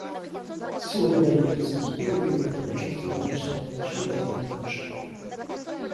Сегодня Олимпийские игры имеют очень символическое значение в этом отношении.